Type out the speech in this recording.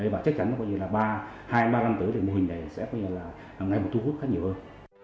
và chắc chắn là hai ba năm tới thì mô hình này sẽ có thể thu hút khá nhiều hơn